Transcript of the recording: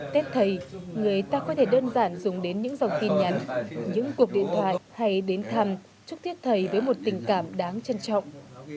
tết thầy người ta có thể đơn giản dùng đến những dòng tin nhắn những cuộc điện thoại hay đến thăm chúc thiết thầy với một tình cảm đáng trân trọng